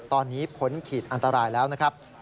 ตอนนี้ผลขีดอันตรายแล้วนะครับ